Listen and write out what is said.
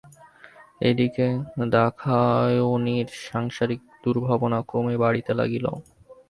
এ দিকে দাক্ষায়ণীর সাংসারিক দুর্ভাবনা ক্রমেই বাড়িতে লাগিল।